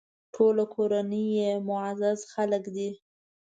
ټوله کورنۍ یې معزز خلک دي.